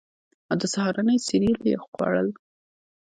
او د سهارنۍ سیریل یې خوړل